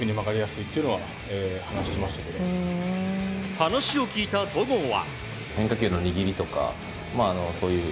話を聞いた戸郷は。